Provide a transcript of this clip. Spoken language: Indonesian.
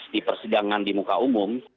di persidangan di muka umum